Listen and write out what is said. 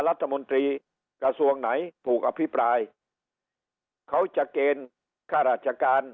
รัฐมนตรีกระทรวงไหนถูกอภิปรายเขาจะเกณฑ์ค่าราชการ